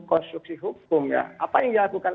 konstruksi hukum apa yang diakukan